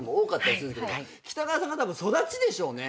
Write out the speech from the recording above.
北川さんたぶん育ちでしょうね。